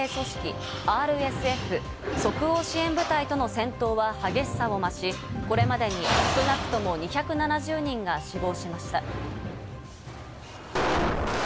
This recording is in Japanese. アフリカのスーダンで続く軍と民兵組織、ＲＳＦ＝即応支援部隊との戦闘は激しさを増し、これまでに少なくとも２７０人が死亡しました。